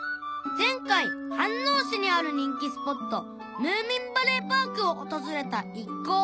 前回飯能市にある人気スポットムーミンバレーパークを訪れた一行